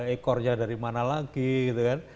ekornya dari mana lagi gitu kan